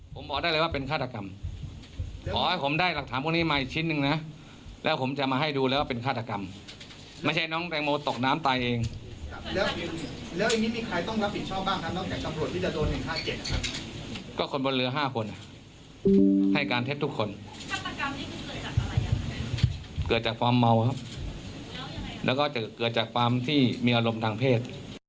เกิดจากความเมาครับแล้วก็จะเกิดจากความที่มีอารมณ์ทางเพศ